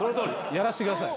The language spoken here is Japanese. ・やらせてください。